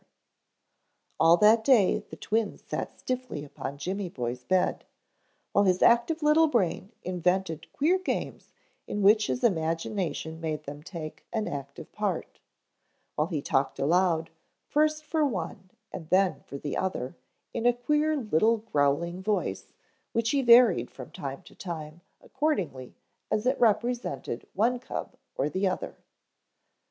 All that day the twins sat stiffly upon Jimmy boy's bed, while his active little brain invented queer games in which his imagination made them take an active part; while he talked aloud, first for one and then for the other in a queer little growling voice, which he varied from time to time accordingly as it represented one cub or the other.